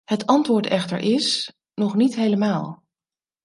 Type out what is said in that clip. Het antwoord echter is: nog niet helemaal.